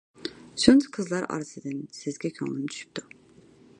شۇنچە قىزلار ئارىسىدىن، سىزگە كۆڭلۈم چۈشۈپتۇ.